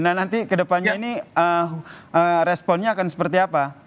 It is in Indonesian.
nah nanti kedepannya ini responnya akan seperti apa